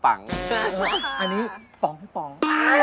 อันนี้ป่อง